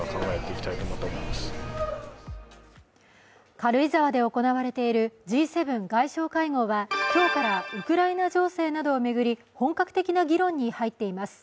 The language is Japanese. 軽井沢で行われているＧ７外相会談は今日からウクライナ情勢などを巡り、本格的な議論に入っています。